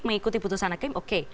mengikuti putusan hakim oke